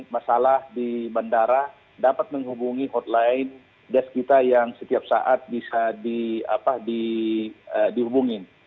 masalah di bandara dapat menghubungi hotline desk kita yang setiap saat bisa dihubungin